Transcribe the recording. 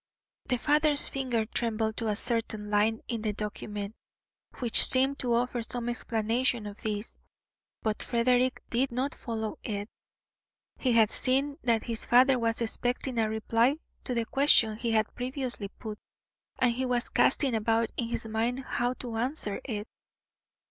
The father's finger trembled to a certain line in the document, which seemed to offer some explanation of this; but Frederick did not follow it. He had seen that his father was expecting a reply to the question he had previously put, and he was casting about in his mind how to answer it.